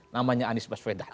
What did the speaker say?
namanya anies baswedan